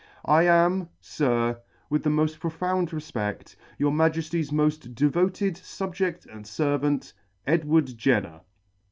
I am, SIR, With the moft profound refped, Your Majefty's moft devoted Subjed and Servant, EDWARD JENNER.